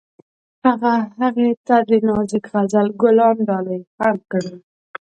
هغه هغې ته د نازک غزل ګلان ډالۍ هم کړل.